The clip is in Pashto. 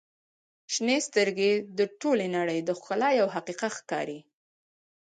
• شنې سترګې د ټولې نړۍ د ښکلا یوه حقیقت ښکاري.